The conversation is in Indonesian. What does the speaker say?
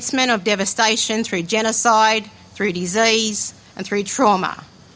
kemampuan kematian melalui genosida kematian dan trauma